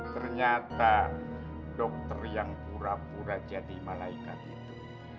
ternyata dokter yang pura pura jadi malaikat itu